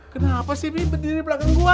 kenapa sih mimpi berdiri belakang gua